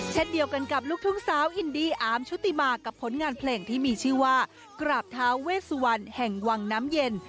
เช่นเดียวกันกับลูกทุ่งสาวอินดีอาร์มชุติมากับผลงานเพลงที่มีชื่อว่ากราบเท้าเวสวันแห่งวังน้ำเย็น